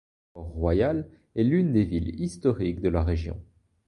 Port Royal est l'une des villes historiques de la région.